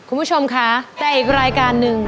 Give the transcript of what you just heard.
คุณผู้ชมคะแต่อีกรายการหนึ่ง